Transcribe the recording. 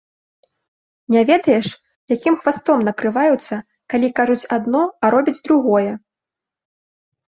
Не ведаеш, якім хвастом накрываюцца, калі кажуць адно, а робяць другое?